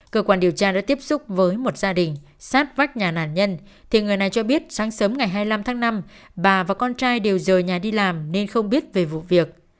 cơ quan điều tra đã tiếp xúc với một gia đình sát vách nhà nạn nhân thì người này cho biết sáng sớm ngày hai mươi năm tháng năm bà và con trai đều rời nhà đi làm nên không biết về vụ việc